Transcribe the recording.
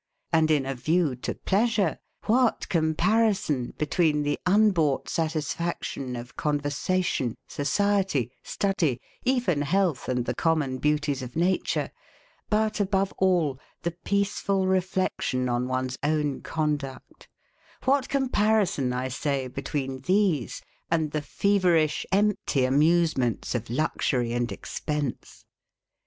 And in a view to pleasure, what comparison between the unbought satisfaction of conversation, society, study, even health and the common beauties of nature, but above all the peaceful reflection on one's own conduct; what comparison, I say, between these and the feverish, empty amusements of luxury and expense?